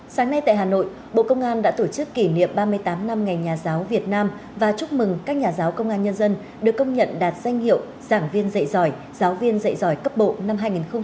sáng nay tại hà nội bộ công an đã tổ chức kỷ niệm ba mươi tám năm ngày nhà giáo việt nam và chúc mừng các nhà giáo công an nhân dân được công nhận đạt danh hiệu giảng viên dạy giỏi giáo viên dạy giỏi cấp bộ năm hai nghìn hai mươi ba